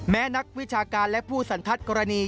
นักวิชาการและผู้สันทัศน์กรณี